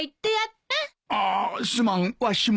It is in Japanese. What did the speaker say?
あすまんわしも。